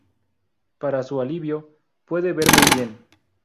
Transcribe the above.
Para su alivio, puede ver muy bien.